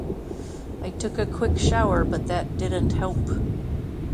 I took a quick shower but that didn't really help.